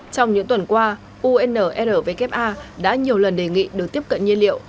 trong những tuần qua unrwk đã nhiều lần đề nghị được tiếp cận nhiên liệu